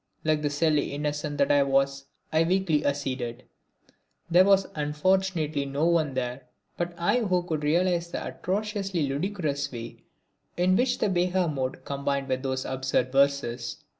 Like the silly innocent that I was, I weakly acceded. There was unfortunately no one there but I who could realise the atrociously ludicrous way in which the Behaga mode combined with those absurd verses.